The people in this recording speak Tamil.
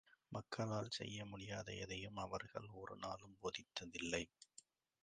மக்களால் செய்ய முடியாத எதையும், அவர்கள் ஒரு நாளும் போதித்ததில்லை.